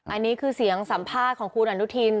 อันนี้คือเสียงสัมภาษณ์ของคุณอนุทิน